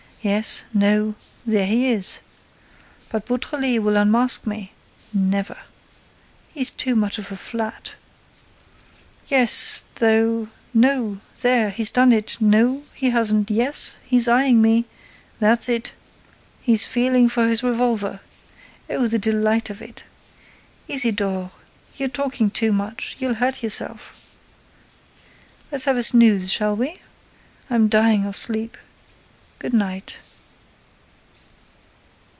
Yes—no—there he is.—But Beautrelet will unmask me! Never! He's too much of a flat! Yes, though—no—there, he's done it—no, he hasn't—yes—he's eyeing me—that's it—he's feeling for his revolver!—Oh, the delight of it!—Isidore, you're talking too much, you'll hurt yourself!—Let's have a snooze, shall we?—I'm dying of sleep.—Good night."